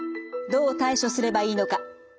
どう対処すればいいのか。